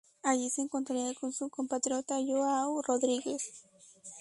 Allí se encontraría con su compatriota Joao Rodríguez.